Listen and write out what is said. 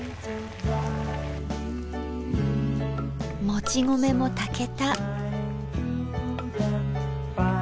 もち米も炊けた。